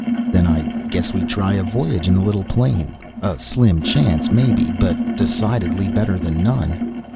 "Then I guess we try a voyage in the little plane. A slim chance, maybe. But decidedly better than none!"